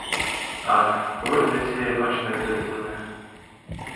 Ах, повинен я цієї ночі навідатися до них.